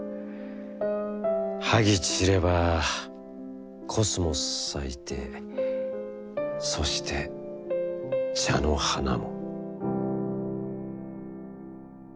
萩ちればコスモス咲いてそして茶の花も」。